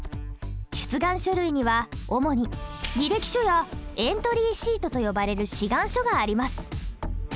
出願書類には主に履歴書やエントリーシートと呼ばれる志願書があります。